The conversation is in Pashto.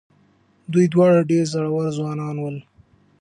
دوی دواړه ډېر زړور ځوانان ول.